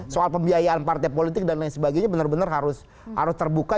soal pembiayaan partai politik dan lain sebagainya benar benar harus terbuka